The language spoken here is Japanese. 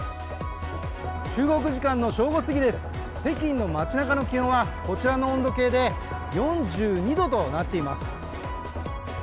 中国時間の正午すぎです、北京の街なかの気温はこちらの温度計で４２度となっています。